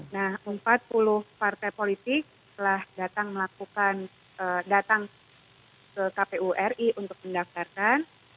nah empat puluh partai politik telah datang melakukan datang ke kpu ri untuk mendaftarkan